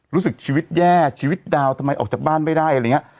รู้สึกชีวิตแย่ชีวิตดาวทำไมออกจากบ้านไม่ได้อะไรอย่างนี้